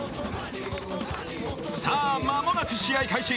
さぁ、間もなく試合開始。